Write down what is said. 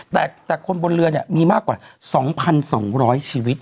แต่คนบนเรือเนี่ยมีมากกว่า๒๒๐๐ชีวิต